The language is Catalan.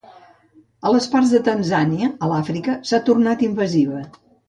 A les parts de Tanzània a l'Àfrica s'ha tornat invasiva.